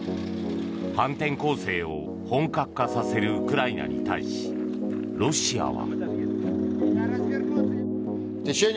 反転攻勢を本格化させるウクライナに対し、ロシアは。